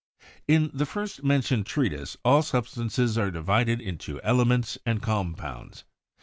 In the first mentioned treatise all substances are divided into elements and compounds.